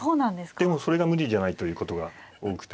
でもそれが無理じゃないということが多くて。